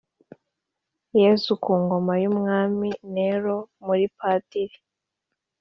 yezu ku ngoma y’umwami neron muri padiri